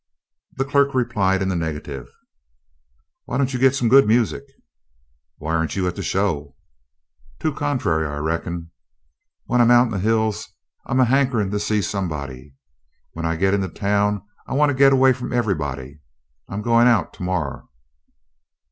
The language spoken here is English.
The clerk replied in the negative. "Why don't you git some good music?" "Why aren't you at the show?" "Too contrary, I reckon. When I'm out in the hills I'm a hankerin' to see somebody. When I git in town I want to git away from everybody. I'm goin' out to morrow."